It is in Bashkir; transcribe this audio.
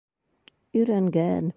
Өйрәнгән.